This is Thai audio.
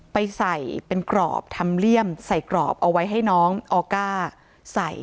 ไปใส่เป็นกรอบทำเลี่ยมใส่กรอบเอาไว้ให้น้องออก้าใส่